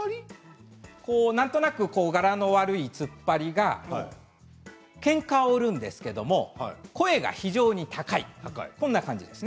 何となく柄の悪いツッパリがけんかを売るんですけれども声が非常に高いこんな感じです。